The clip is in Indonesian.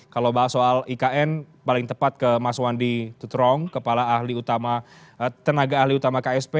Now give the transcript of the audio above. kalau bahas soal ikn paling tepat ke mas wandi tutrong kepala tenaga ahli utama ksp